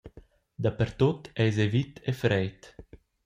Dapertut eis ei vit e freid.